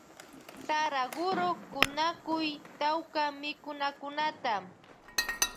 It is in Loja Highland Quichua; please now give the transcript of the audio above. Saraguro kunakuy tawka mikunakunata.